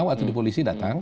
waktu di polisi datang